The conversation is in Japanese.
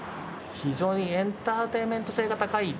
非常にエンターテインメント性が高い。